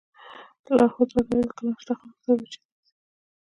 لارښود راته وویل له نا اشنا خلکو سره به چېرته نه ځئ.